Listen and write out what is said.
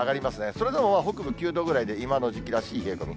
それでも北部９度ぐらいで、今の時期らしい冷え込み。